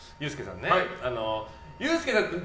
ユースケさんね。